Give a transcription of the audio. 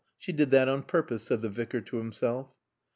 She did that on purpose," said the Vicar to himself.